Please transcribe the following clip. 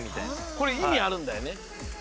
これいみあるんだよね？